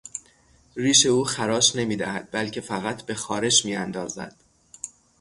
ریش او خراش نمیدهد بلکه فقط به خارش میاندازد.